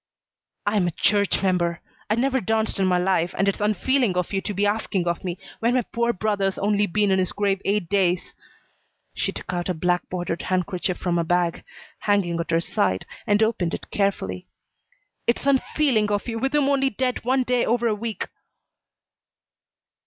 "I'm a church member. I never danced in my life, and it's unfeeling of you to be asking of me when my poor brother's only been in his grave eight days." She took out a, black bordered handkerchief from a bag hanging at her side, and opened it carefully. "It's unfeeling of you, with him only dead one day over a week."